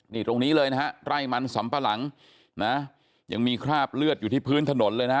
นี่ตรงนี้เลยนะฮะไร่มันสำปะหลังนะยังมีคราบเลือดอยู่ที่พื้นถนนเลยนะฮะ